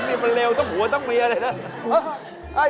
พวกนี้มันเลวต้องหัวต้องมีอะไรสัก